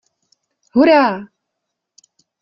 Hurá!